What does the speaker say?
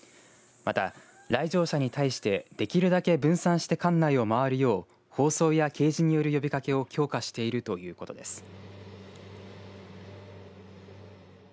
また、来場者に対してできるだけ分散して館内をまわるよう放送や掲示による呼びかけを強化しているということです。